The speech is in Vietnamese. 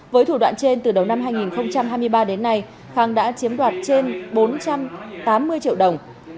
với thủ đoạn trên từ đầu năm hai nghìn hai mươi ba đến nay khang đã chiếm đoạt trên bốn trăm tám mươi triệu đồng